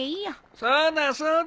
そうだそうだ。